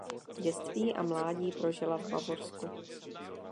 Dětství a mládí prožila v Bavorsku.